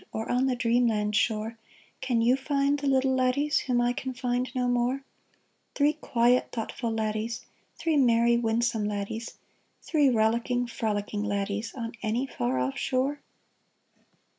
Or on the dreamland shore, Can you find the little laddies Whom I can find no more ? Three quiet, thoughtful laddies, Three merry, winsome laddies. Three rollicking, frolicking laddies, On any far off shore